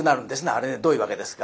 あれねどういう訳ですか。